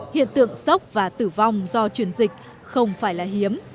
hiện tượng sốc và tử vong do truyền dịch không phải là hiếm